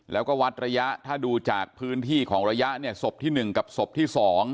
แล้วก็วัดระยะถ้าดูจากพื้นที่ของระยะเนี่ยศพที่๑กับศพที่๒